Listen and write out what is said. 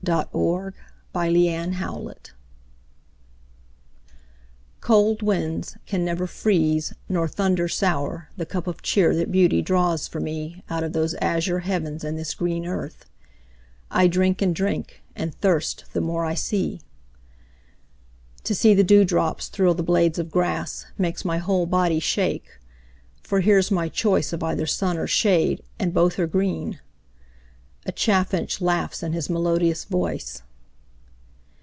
Davies Seeking Beauty COLD winds can never freeze, nor thunder sour The cup of cheer that Beauty draws for me Out of those Azure heavens and this green earth I drink and drink, and thirst the more I see. To see the dewdrops thrill the blades of grass, Makes my whole body shake; for here's my choice Of either sun or shade, and both are green A Chaffinch laughs in his melodious voice.